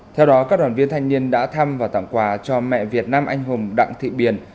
theo đó các đoàn viên thanh niên đã thăm và tặng quà cho mẹ việt nam anh hùng đặng thị biển